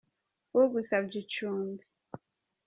Ugusabye icumbi